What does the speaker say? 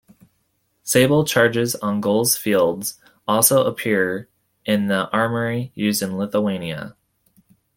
Sable charges on gules fields also appear in the armory used in Lithuania.